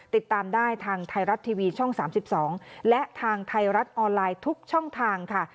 ติดตามได้ทางไทยรัฐทีวีช่อง๓๒และทางไทยรัฐออนไลน์ทุกช่องทางค่ะ